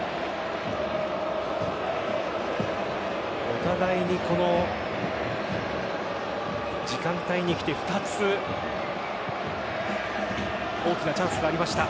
お互いにこの時間帯に来て、２つ大きなチャンスがありました。